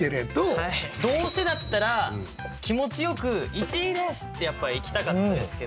どうせだったら気持ちよく「１位です！」ってやっぱいきたかったですけど。